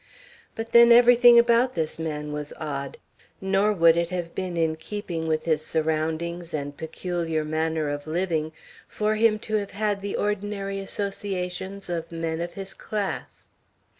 But, then, everything about this man was odd, nor would it have been in keeping with his surroundings and peculiar manner of living for him to have had the ordinary associations of men of his class.